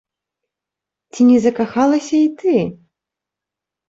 Ці не закахалася і ты?